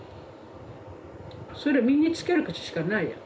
それを身につけるしかないよ。